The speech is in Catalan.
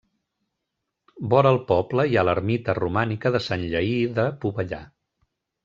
Vora el poble hi ha l'ermita romànica de Sant Lleïr de Pobellà.